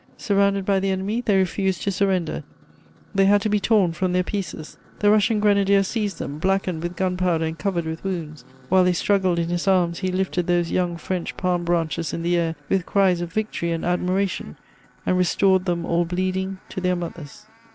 Surrounded by the enemy, they refused to surrender; they had to be tom from their pieces: the Russian grenadier seized them, blackened with gun powder and covered with wounds; while they struggled in his arms, he lifted those young French palm branches in the air with cries of victory and admiration and restored them all bleeding to their mothers.